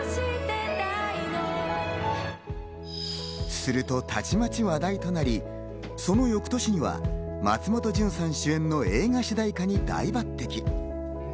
すると、たちまち話題となり、その翌年には松本潤さん主演の映画の主題歌に大抜擢。